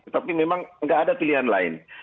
tapi memang nggak ada pilihan lain